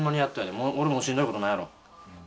おれもしんどいことないやろ。